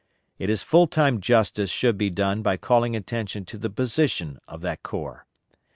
It is full time justice should be done by calling attention to the position of that corps.